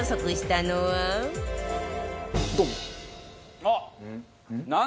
あっ！